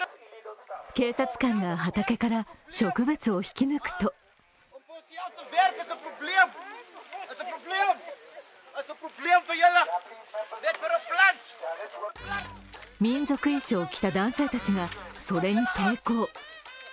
警察官が畑から植物を引き抜くと民族衣装を着た男性たちがそれに抵抗。